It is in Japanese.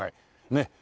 ねっ。